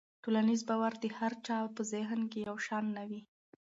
ټولنیز باور د هر چا په ذهن کې یو شان نه وي.